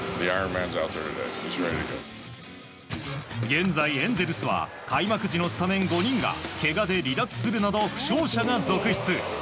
現在エンゼルスは開幕時のスタメン５人がけがで離脱するなど負傷者が続出。